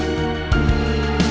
menjaga kemampuan bapak